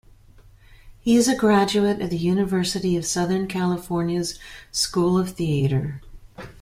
He is a graduate of the University of Southern California's School of Theatre.